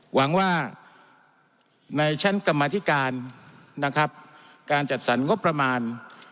หวังว่าในชั้นกรรมธิการนะครับการจัดสรรงบประมาณ